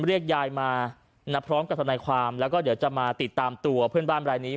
เรียกยายมาพร้อมกับทนายความแล้วก็เดี๋ยวจะมาติดตามตัวเพื่อนบ้านรายนี้